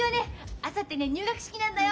あさって入学式なんだよ。